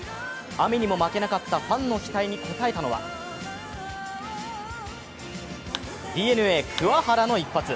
雨にも負けなかったファンの期待に応えたのはＤｅＮＡ・桑原の一発。